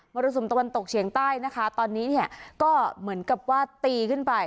รสุมตะวันตกเฉียงใต้นะคะตอนนี้เนี่ยก็เหมือนกับว่าตีขึ้นไป